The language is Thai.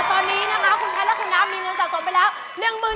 ตอนนี้นะคะคุณแพทย์และคุณน้ำมีเงินสะสมไปแล้ว